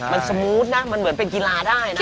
มันสมูทนะมันเหมาะเหมือนเป็นกีฬาได้